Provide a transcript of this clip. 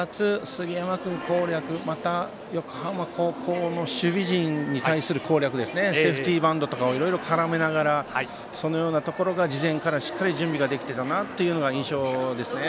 杉山君攻略また横浜高校の守備陣に対する攻略、セーフティーバントなどを絡めながらそのようなところが事前からしっかり準備ができてたなという印象ですね。